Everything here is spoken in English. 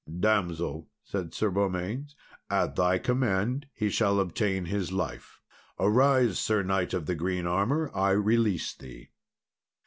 "Damsel," said Sir Beaumains, "at thy command, he shall obtain his life. Arise, Sir knight of the green armour, I release thee!"